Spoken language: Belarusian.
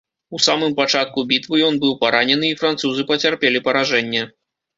У самым пачатку бітвы ён быў паранены, і французы пацярпелі паражэнне.